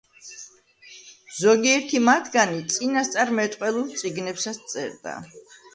ზოგიერთი მათგანი წინასწარმეტყველურ წიგნებსაც წერდა.